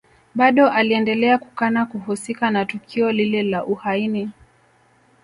Bado aliendelea kukana kuhusika na tukio lile la uhaini